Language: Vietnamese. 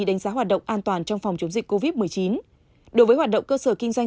đánh giá hoạt động an toàn trong phòng chống dịch covid một mươi chín đối với hoạt động cơ sở kinh doanh